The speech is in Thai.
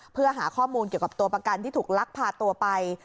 เพื่อหาข้อมูลเกี่ยวกับตัวประกันที่ถูกลักพาตัวไป